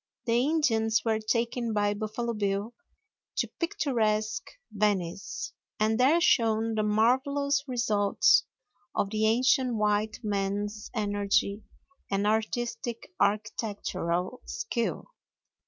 The Indians were taken by Buffalo Bill to picturesque Venice, and there shown the marvelous results of the ancient white man's energy and artistic architectural skill.